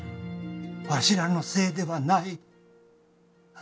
わしらのせいではない。